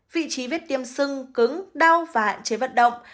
vị trí vết tiêm sưng cứng đau và hạn chế vận động